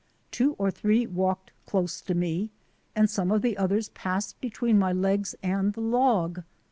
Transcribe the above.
Two or three walked close to me, and some of the others passed between my legs and the log.